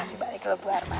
makasih balik ke lu bu arman